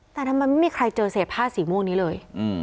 แต่ทำไมไม่มีใครเจอเศษผ้าสีม่วงนี้เลย